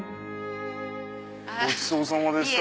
ごちそうさまでした。